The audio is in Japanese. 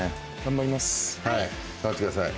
はい頑張ってください。